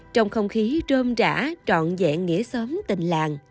trong không khí rơm rã trọn vẹn nghĩa xóm tình làng